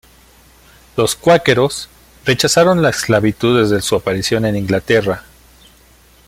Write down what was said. Los cuáqueros rechazaron la esclavitud desde su aparición en Inglaterra.